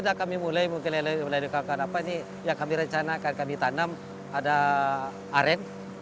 kita mulai mungkin mulai dikalkan apa ini yang kami rencana akan kami tanam ada aren